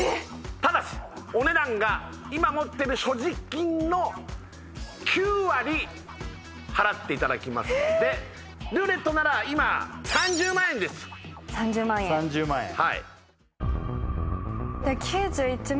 ただしお値段が今持ってる所持金の９割払っていただきますのでえーっルーレットなら今３０万円です３０万円はい９１万